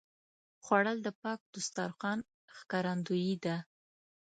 خوړل د پاک دسترخوان ښکارندویي ده